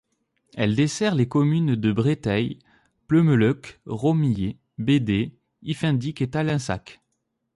Elle dessert les communes de Breteil, Pleumeleuc, Romillé, Bédée, Iffendic et Talensac.